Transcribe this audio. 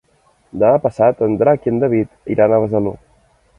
Demà passat en Drac i en David iran a Besalú.